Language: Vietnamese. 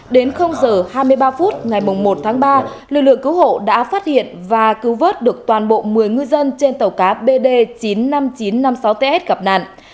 đến h hai mươi ba phút ngày một tháng ba lực lượng cứu hộ đã phát hiện và cứu vớt được toàn bộ một mươi ngư dân trên tàu cá bd chín mươi năm nghìn chín trăm năm mươi sáu ts gặp nạn